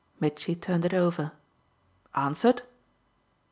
Mitchy turned it over. "Answered?"